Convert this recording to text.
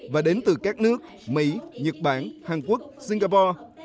và đến từ các nước mỹ nhật bản hàn quốc singapore